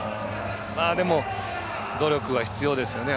でも、努力が必要ですよね。